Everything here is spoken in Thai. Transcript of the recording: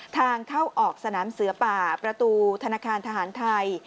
ทางเข้าออกสนามเสือป่าประตูธนาคารทหารไทย